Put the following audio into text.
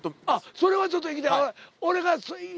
それはちょっと行きたい。